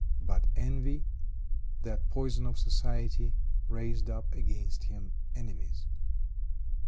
But envy, that poison of society, raised up against him enemies.